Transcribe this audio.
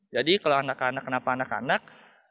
jadi kalau anak anak kenapa anak anak